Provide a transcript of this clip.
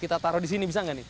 kita taruh di sini bisa nggak nih